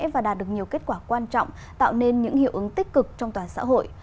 và đạt được nhiều kết quả quan trọng tạo nên những hiệu ứng tích cực trong toàn xã hội